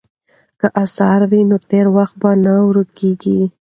که اثار وي نو تېر وخت نه ورکیږي.